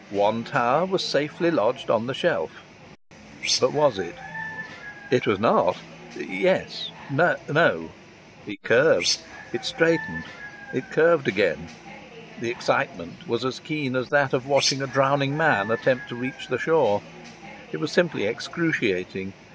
One tower was safely lodged on the shelf. But was it? It was not! Yes? No! It curved; it straightened; it curved again. The excitement was as keen as that of watching a drowning man attempt to reach the shore. It was simply excruciating.